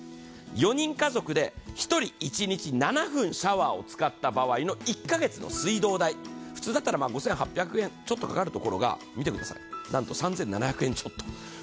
４人家族で１人１日７分シャワーを使った場合の水道代普通だったら５８００円ちょっとかかるところが、３７００円ちょっと。